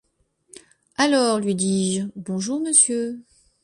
Alors, lui dis-je, bonjour, monsieur !